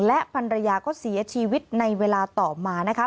และภรรยาก็เสียชีวิตในเวลาต่อมานะคะ